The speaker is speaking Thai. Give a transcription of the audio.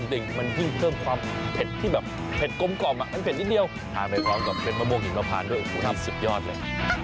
รสเตียวั้นแน่